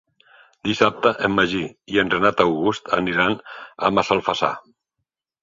Dissabte en Magí i en Renat August aniran a Massalfassar.